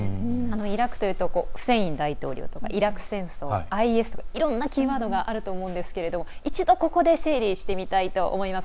イラクというとフセイン大統領とかイラク戦争、ＩＳいろんなキーワードがあると思うんですけれど一度、ここで整理してみたいと思います。